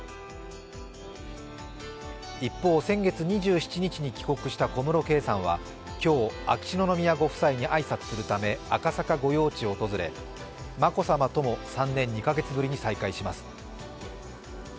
一方、先月２７日に帰国した小室圭さんは今日、秋篠宮ご夫妻に挨拶するため赤坂御用地を訪れ、眞子さまとも３年２カ月ぶりに再開します。